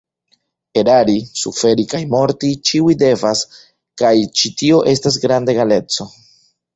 Erari, suferi kaj morti ĉiuj devas kaj ĉi tio estas granda egaleco.